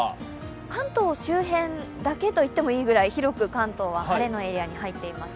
関東周辺だけといってもいいぐらい広く関東は晴れのエリアに入っています。